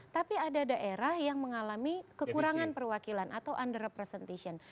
tapi ada daerah yang mengalami kekurangan perwakilan atau under representation